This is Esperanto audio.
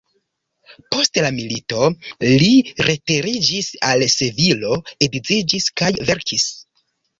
Post la milito li retiriĝis al Sevilo, edziĝis kaj verkis.